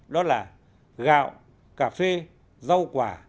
đó là gạo cà phê rau quả